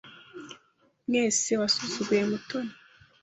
Mwese wasuzuguye Mutoni.